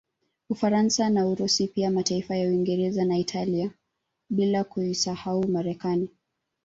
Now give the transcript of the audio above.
Ufaransa na Urusi pia mataifa ya Uingereza na Italia bila kuisahau Marekani